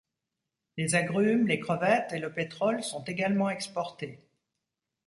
Les agrumes, les crevettes et le pétrole sont également exportés.